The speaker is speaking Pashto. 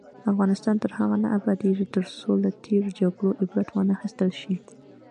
افغانستان تر هغو نه ابادیږي، ترڅو له تیرو جګړو عبرت وانخیستل شي.